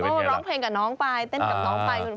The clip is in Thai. น่ารักเนาะ